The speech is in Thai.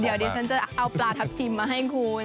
เดี๋ยวดิฉันจะเอาปลาทับทิมมาให้คุณ